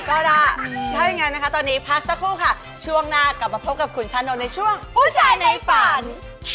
ถ้าอย่างนั้นนะคะตอนนี้พักสักครู่ค่ะช่วงหน้ากลับมาพบกับคุณชานนท์ในช่วงผู้ชายในฝัน